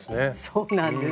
そうなんです。